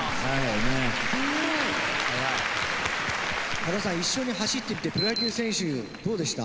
多田さん一緒に走ってみてプロ野球選手どうでした？